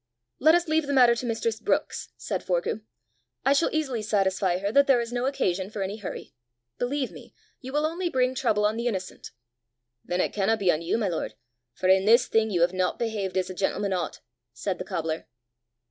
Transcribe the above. "Let us leave the matter to mistress Brookes!" said Forgue. "I shall easily satisfy her that there is no occasion for any hurry. Believe me, you will only bring trouble on the innocent!" "Then it canna be on you, my lord! for in this thing you have not behaved as a gentleman ought!" said the cobbler.